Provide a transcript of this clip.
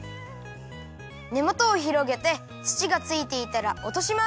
ねもとをひろげてつちがついていたらおとします。